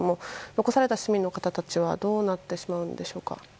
残された市民の方たちはどうなってしまうんでしょうか？